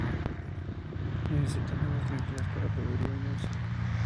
Necesitan aguas tranquilas para beber y bañarse.